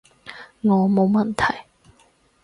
我冇問題